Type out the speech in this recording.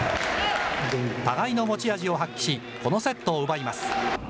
互いの持ち味を発揮し、このセットを奪います。